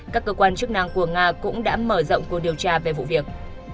các cơ quan chức năng của nga cũng đã mở rộng cuộc điều tra về vụ việc